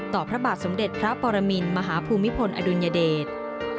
พระบาทสมเด็จพระปรมินมหาภูมิพลอดุลยเดช